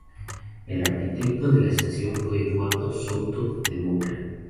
El arquitecto de la estación fue Eduardo Souto de Moura.